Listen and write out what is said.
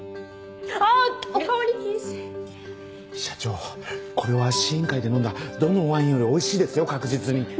社長これは試飲会で飲んだどのワインよりおいしいですよ確実に。